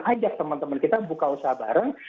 ajak teman teman kita buka usaha bareng